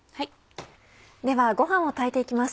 ではご飯を炊いて行きます。